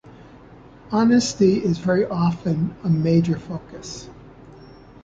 Honesty is very often a major focus.